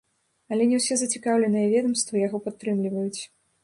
Але не ўсе зацікаўленыя ведамствы яго падтрымліваюць.